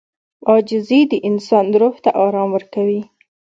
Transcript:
• عاجزي د انسان روح ته آرام ورکوي.